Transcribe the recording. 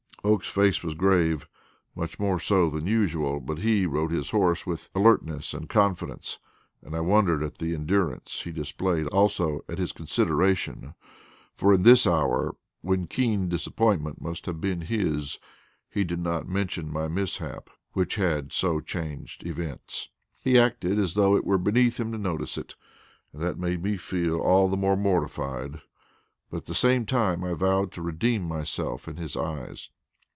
Oakes's face was grave much more so than usual but he rode his horse with alertness and confidence, and I wondered at the endurance he displayed also at his consideration; for in this hour, when keen disappointment must have been his, he did not mention my mishap, which had so changed events. He acted as though it were beneath him to notice it, and that made me all the more mortified; but at the same time I vowed to redeem myself in his eyes.